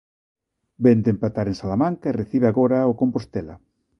Vén de empatar en Salamanca e recibe agora o Compostela.